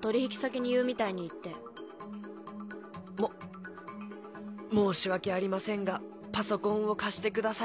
取引先に言うみたいに言って。も申し訳ありませんがパソコンを貸してください。